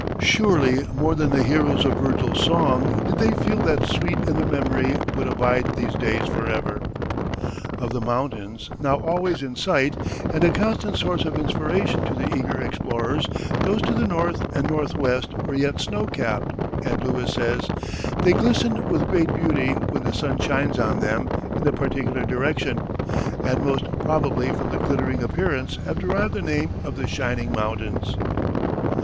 Surely more than the heroes of Virgil's song did they feel that sweet in their memory would abide these days forever. Of the mountains, now always in sight, and a constant source of inspiration to the eager explorers, those to the north and northwest were yet snow capped, and Lewis says: "They glisten with great beauty when the sun shines on them in a particular direction, and most probably from this glittering appearance have derived the name of the Shining Mountains."